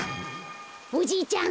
おじいちゃん